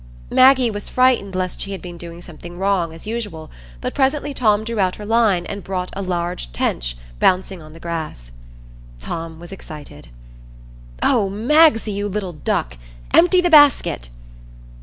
Maggie was frightened lest she had been doing something wrong, as usual, but presently Tom drew out her line and brought a large tench bouncing on the grass. Tom was excited. "O Magsie, you little duck! Empty the basket."